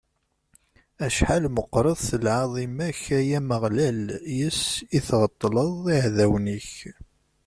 Acḥal meqqret lɛaḍima-k, ay Ameɣlal, yes-s i tɣeṭṭleḍ iɛdawen-ik.